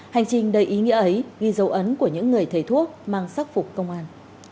hành trình đầy ý nghĩa ấy ghi dấu ấn của những người thầy thuốc mang sắc phục công an